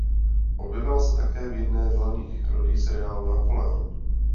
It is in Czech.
Objevila se také v jedné z hlavních rolí seriálu "Napoleon".